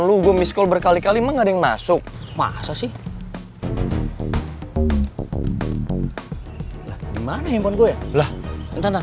tuh gue miss call berkali kali mengadeng masuk masa sih gimana